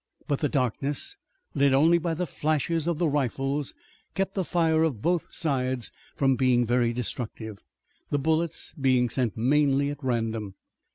But the darkness, lit only by the flashes of the rifles, kept the fire of both sides from being very destructive, the bullets being sent mainly at random.